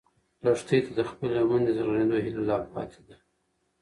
لښتې ته د خپلې لمنې د زرغونېدو هیله لا پاتې ده.